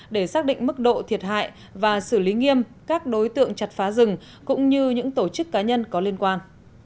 để xác định mức độ thiệt hại và xử lý nghiêm các đối tượng chặt phá rừng cũng như những tổ chức cá nhân có liên quan